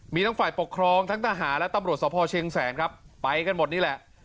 มีทั้งฝ่ายปกครองทั้งทหารและตำรวจสภเชียงแสนครับไปกันหมดนี่แหละ